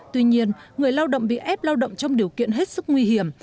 tuy nhiên người lao động bị ép lao động trong điều kiện hết sức nguy hiểm